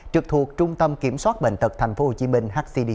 trực thuộc trung tâm kiểm soát bệnh tật thành phố hồ chí minh